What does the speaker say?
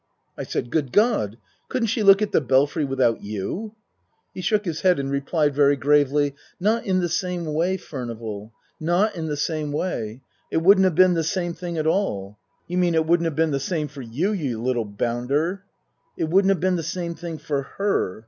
I said :" Good God ! Couldn't she look at the Belfry without you ?" He shook his head and replied very gravely :" Not in the same way, Furnival. Not in the same way. It wouldn't have been the same thing at all." " You mean it wouldn't have been the same for you, you little bounder." " It wouldn't have been the same thing for her.